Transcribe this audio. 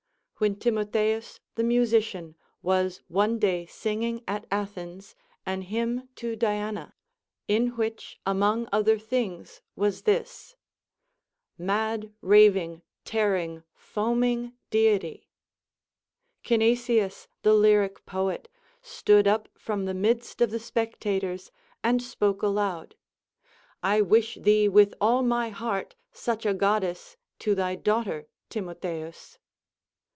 AVhen Timotheus the musician was one day singing at Athens an hymn to Diana, in which among other things was this, — Mad, raving, tearing, foaming Deity, —* Sophocles, Oed. Tyr. 4. 180 OF SUPERSTITION Cinesias, the lyric poet, stood up from the midst of the spectators, and spoke aloud : I wish thee with all my heart such a Goddess to thy daughter, Timotheus.